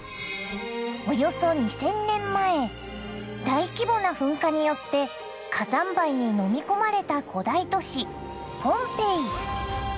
およそ２，０００年前大規模な噴火によって火山灰にのみ込まれた古代都市ポンペイ。